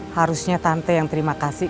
harusnya tante yang terima kasih